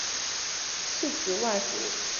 刺子莞属是莎草科下的一个属。